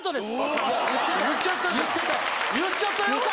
・言っちゃった